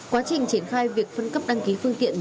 quá trình triển khai việc phân cấp đăng ký phương tiện